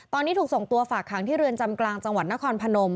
ตอนนี้ถูกส่งตัวฝากขังที่เรือนจำกลางจังหวัดนครพนม